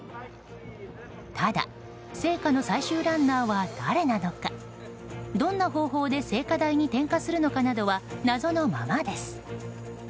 ただ、聖火の最終ランナーは誰なのかどんな方法で聖火台に点火するのかなどは謎のままです。